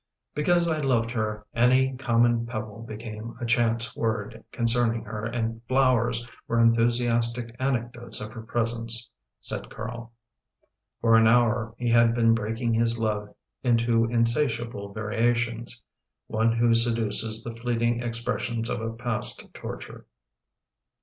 " Because I loved her any common pebble became a chance word concerning her and flowers were enthusias tic anecdotes of her presence/' said Carl. For an hour he had been breaking his love into in satiable variations — one who seduces the fleeting expres sions of a past torture.